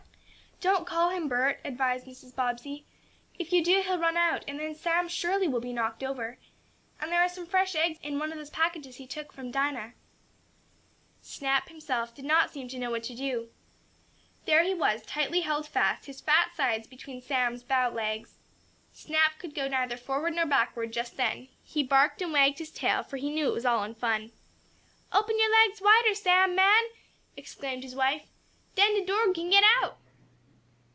"Don't call him, Bert," advised Mrs. Bobbsey. "If you do he'll run out, and then Sam surely will be knocked over. And there are some fresh eggs in one of those packages he took from Dinah." Snap himself did not seem to know what to do. There he was, tightly held fast, his fat sides between Sam's bow legs. Snap could go neither forward nor backward just then. He barked and wagged his tail, for he knew it was all in fun. "Open your legs wider, Sam, man!" exclaimed his wife. "Den de dorg kin git out!"